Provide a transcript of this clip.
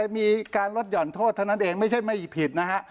มีการลดหย่อนโทษเท่านั้นเองไม่ใช่ไม่ผิดนะฮะ